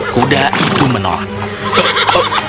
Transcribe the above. kuda itu menolak